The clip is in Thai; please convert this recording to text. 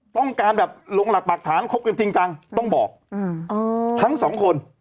ต้องการแบบลงหลักปรักฐานคบกันจริงจังต้องบอกทั้งสองคน